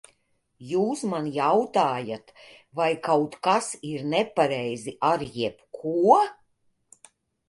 Jūs man jautājat, vai kaut kas ir nepareizi ar jebko?